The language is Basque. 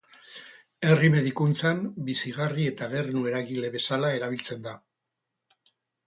Herri medikuntzan bizigarri eta gernu eragile bezala erabiltzen da.